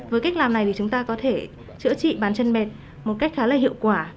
với cách làm này thì chúng ta có thể chữa trị ban chân mệt một cách khá là hiệu quả